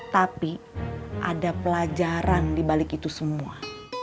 tapi ada pelajaran dibalik itu semua